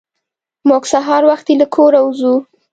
موږ سهار وختي له کوره وځو.